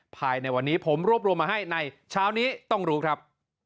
ภายในวันนี้ผมรวบรวมมาให้ในเช้านี้ต้องรู้ครับ